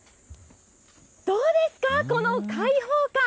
どうですか、この開放感。